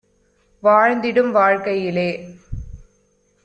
வாழ்ந்திடும் வாழ்க்கையிலே